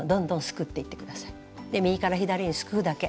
で右から左にすくうだけ。